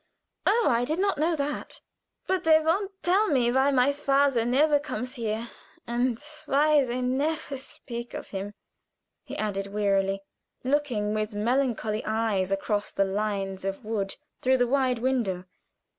Oh, I did not know that." "But they won't tell me why my father never comes here, and why they never speak of him," he added, wearily, looking with melancholy eyes across the lines of wood, through the wide window.